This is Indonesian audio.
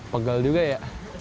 pegal juga ya